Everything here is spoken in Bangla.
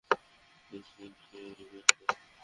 দেখি কে জেতে।